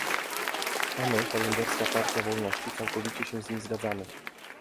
A my, Holenderska Partia Wolności, całkowicie się z nim zgadzamy